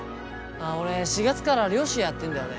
ああ俺４月から漁師やってんだよね。